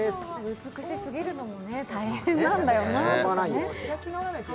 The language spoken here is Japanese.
美しすぎるのもね、大変なんだよな。